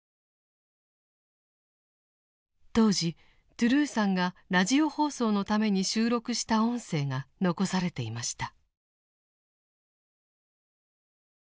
当時トゥルーさんがラジオ放送のために収録した音声が残されていました。